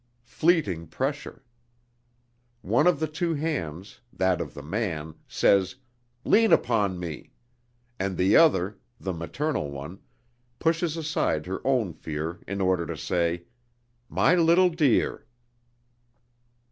Fleeting pressure! One of the two hands, that of the man, says: "Lean upon me!" And the other, the maternal one, pushes aside her own fear in order to say: "My little dear!"